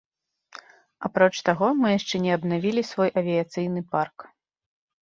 Апроч таго, мы яшчэ не абнавілі свой авіяцыйны парк.